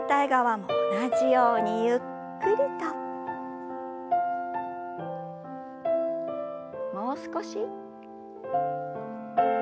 もう少し。